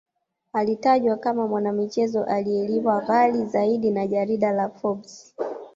alitajwa kama mwanamichezo anayelipwa ghali Zaidi na jarida la forbes